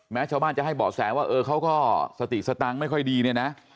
ชาวบ้านจะให้เบาะแสว่าเออเขาก็สติสตังค์ไม่ค่อยดีเนี่ยนะ